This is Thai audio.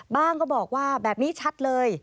ก็บอกว่าแบบนี้ชัดเลย